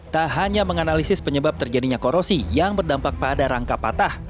tak hanya menganalisis penyebab terjadinya korosi yang berdampak pada rangka patah